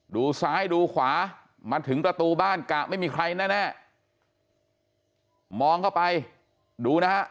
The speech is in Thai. ดูซ้ายดูขวามาถึงประตูบ้านกะไม่มีใครแน่มองเข้าไปดูนะฮะ